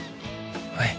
はい。